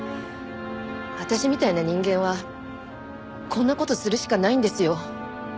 私みたいな人間はこんな事するしかないんですよ。